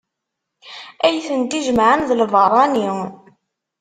Ay tent-ijemεen d lbeṛṛani.